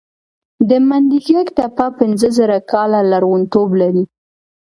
د منډیګک تپه پنځه زره کاله لرغونتوب لري